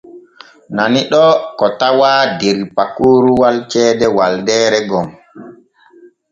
Nani ɗoo ko tawaa der pakoroowel ceede Waldeeree gom.